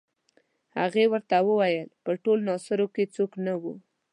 هغې ورته وویل په ټول ناصرو کې څوک نه وو.